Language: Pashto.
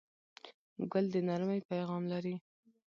ګل د نرمۍ پیغام لري.